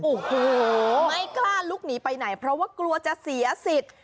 โอ้โหไม่กล้าลุกหนีไปไหนเพราะว่ากลัวจะเสียสิทธิ์